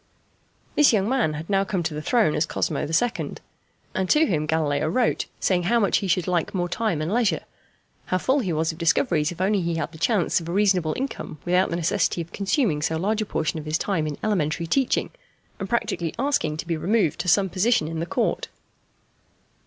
This young man had now come to the throne as Cosmo II., and to him Galileo wrote saying how much he should like more time and leisure, how full he was of discoveries if he only had the chance of a reasonable income without the necessity of consuming so large a portion of his time in elementary teaching, and practically asking to be removed to some position in the Court.